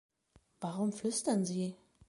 Warum flüstern Sie?